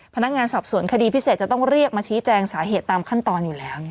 พนักงานสอบสวนคดีพิเศษจะต้องเรียกมาชี้แจงสาเหตุตามขั้นตอนอยู่แล้ว